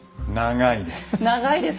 長いです。